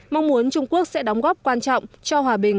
mong muốn trung quốc sẽ đóng góp quan trọng cho hòa bình